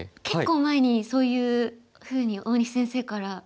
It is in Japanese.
結構前にそういうふうに大西先生から。